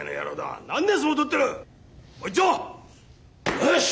よし！